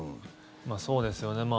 そうですよね。